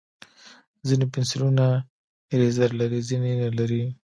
ځینې پنسلونه ایریزر لري، ځینې یې نه لري.